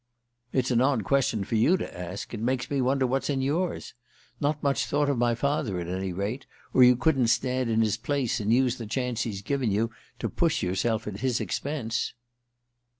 "It's an odd question for you to ask; it makes me wonder what's in yours. Not much thought of my father, at any rate, or you couldn't stand in his place and use the chance he's given you to push yourself at his expense."